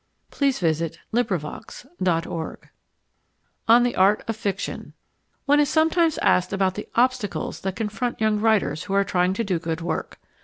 The Library, June 23, 1900 On the Art of Fiction One is sometimes asked about the "obstacles" that confront young writers who are trying to do good work.